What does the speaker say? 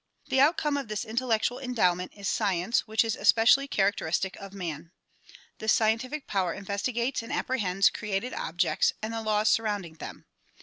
The outcome of this intellectual endowment is science which is especially characteristic of man. This scientific power investigates and apprehends created objects and the laws surrounding them.